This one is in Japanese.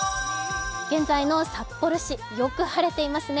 現在の札幌市、よく晴れていますね。